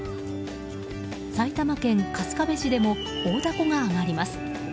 埼玉県春日部市でも大だこが揚がります。